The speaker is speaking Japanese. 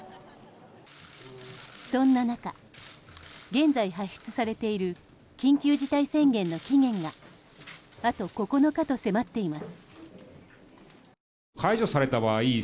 そんな中現在、発出されている緊急事態宣言の期限があと９日と迫っています。